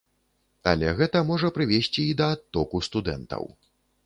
Але гэта можа прывесці і да адтоку студэнтаў.